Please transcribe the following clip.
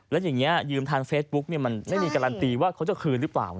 แล้วอย่างนี้ยืมทางเฟซบุ๊กมันไม่มีการันตีว่าเขาจะคืนหรือเปล่า